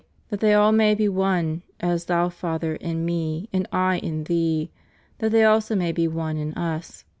. that they all may be one, as thou Father in Me, and I in Thee: that they also may he one in Us.